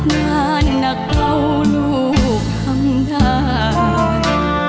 นานนักเก่าลูกทำได้